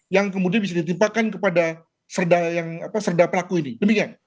yang kemudian bisa ditimpakan kepada serda pelaku ini demikian